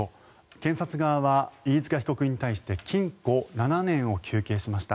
検察側は、飯塚被告に対して禁錮７年を求刑しました。